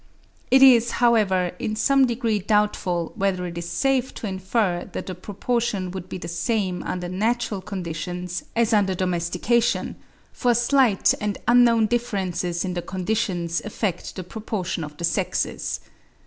It is, however, in some degree doubtful whether it is safe to infer that the proportion would be the same under natural conditions as under domestication; for slight and unknown differences in the conditions affect the proportion of the sexes.